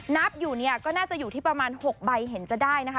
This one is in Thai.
นับอยู่เนี่ยก็น่าจะอยู่ที่ประมาณ๖ใบเห็นจะได้นะคะ